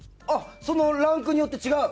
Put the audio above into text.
そのランクによって違う？